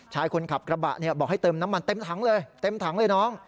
ชายคนขับกระบะบอกให้เติมน้ำมันเต็มถังเลย